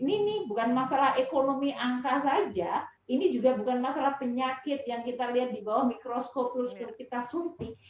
ini bukan masalah ekonomi angka saja ini juga bukan masalah penyakit yang kita lihat di bawah mikroskop terus kita suntik